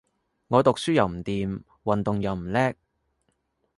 我讀書又唔掂，運動又唔叻